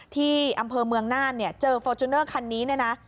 ที่อำเภอเมืองน่านเนี่ยเจอฟอร์จูเนอร์คันนี้เนี่ยนะ